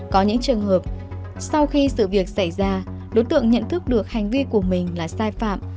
có những trường hợp sau khi sự việc xảy ra đối tượng nhận thức được hành vi của mình là sai phạm